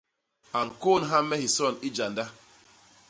A ñkônha me hison i janda.